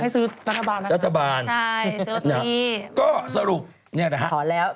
ให้ซื้อตัฐบาลนะครับค่ะใช่ซื้อตัวนี้